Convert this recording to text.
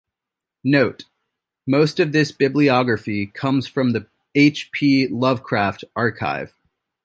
Note: Most of this bibliography comes from The H. P. Lovecraft Archive.